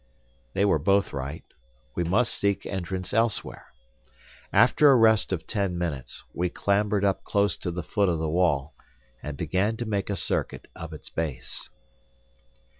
They were both right; we must seek entrance elsewhere. After a rest of ten minutes, we clambered up close to the foot of the wall, and began to make a circuit of its base.